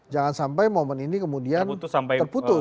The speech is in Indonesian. jangan sampai momen ini kemudian terputus